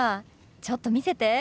ちょっと見せて。